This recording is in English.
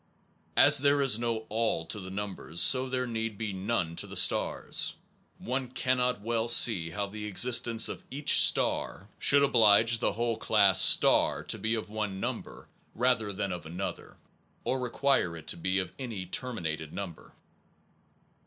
As there is no all to the numbers so there need be none to the stars. One cannot well see how the existence of each star should 167 SOME PROBLEMS OF PHILOSOPHY j oblige the whole class star to be of one num ber rather than of another, or require it to be of any terminated number.